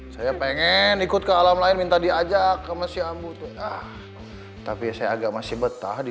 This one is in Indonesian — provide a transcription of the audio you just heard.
saya pengen ikut ke alam lain minta diajak ke masih ambu tuh tapi saya agak masih betah di